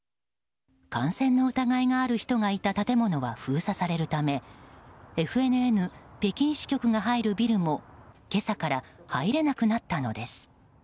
感染の疑いがある人がいた建物は封鎖されるためＦＮＮ北京支局が入るビルも今朝から入れなくなったのです。